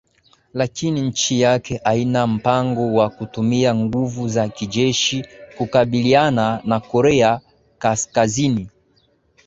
lakini nchi yake haina mpango wa kutumia nguvu za kijeshi kukabiliana na korea kaskazini